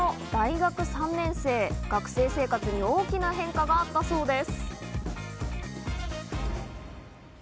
学生生活に大きな変化があったそうです。